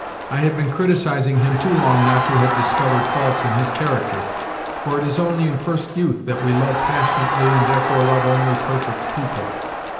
I had been criticising him too long not to have discovered faults in his character, for it is only in first youth that we love passionately and therefore love only perfect people.